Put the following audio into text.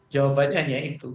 jawabannya hanya itu